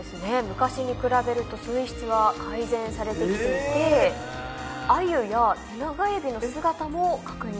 昔に比べると水質は改善されてきていてアユやテナガエビの姿も確認されていると。